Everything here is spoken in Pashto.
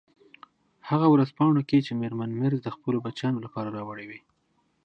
هغه ورځپاڼو کې چې میرمن مېرز د خپلو بچیانو لپاره راوړي وې.